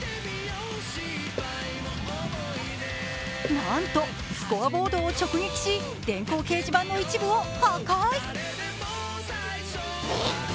なんと、スコアボードを直撃し、電光掲示板の一部を破壊。